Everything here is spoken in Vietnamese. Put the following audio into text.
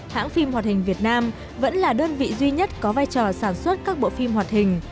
hãng phim hoạt hình việt nam vẫn là đơn vị duy nhất có vai trò sản xuất các bộ phim hoạt hình